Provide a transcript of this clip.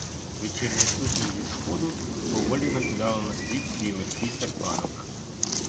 Вечірня сутінь зі сходу поволі накидала на світ свій легкий серпанок.